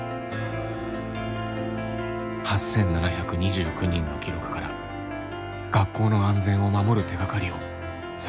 ８，７２９人の記録から学校の安全を守る手がかりを探ります。